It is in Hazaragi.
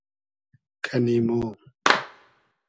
کئنی مۉ